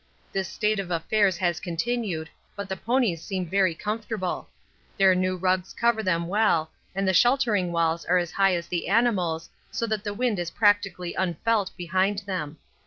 This state of affairs has continued, but the ponies seem very comfortable. Their new rugs cover them well and the sheltering walls are as high as the animals, so that the wind is practically unfelt behind them.